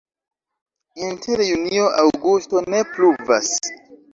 Inter junio-aŭgusto ne pluvas.